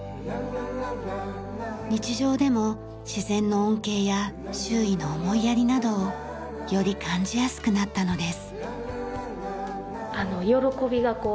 日常でも自然の恩恵や周囲の思いやりなどをより感じやすくなったのです。